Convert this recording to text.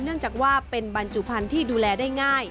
เนื่องจากว่าเป็นบรรจุภัณฑ์ที่ดูแลได้ง่าย